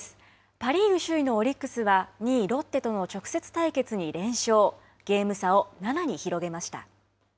パ・リーグ首位のオリックスは２位ロッテとの直接対決に連勝ゲーム差を７に広げました。